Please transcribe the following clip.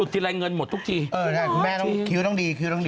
แต่ขาเล็กจิ๋วเลย